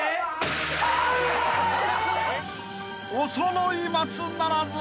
［おそろい松ならず！］